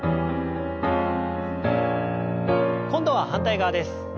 今度は反対側です。